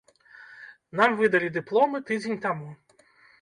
Нам выдалі дыпломы тыдзень таму.